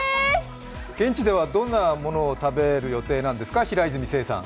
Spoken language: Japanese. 現地ではどんなものを食べる予定なんですか平泉成さん？